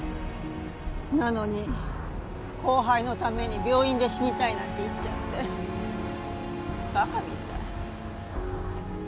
なのに後輩のために病院で死にたいなんて言っちゃってバカみたい。